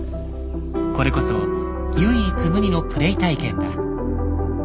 これこそ唯一無二のプレイ体験だ。